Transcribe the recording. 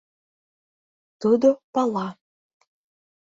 «Тудо пала».